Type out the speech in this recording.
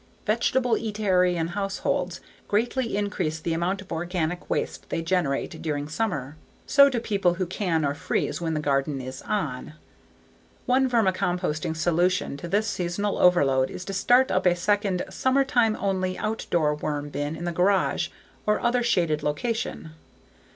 Vegetableatarian households greatly increase the amount of organic waste they generate during summer. So do people who can or freeze when the garden is "on." One vermicomposting solution to this seasonal overload is to start up a second, summertime only outdoor worm bin in the garage or other shaded location.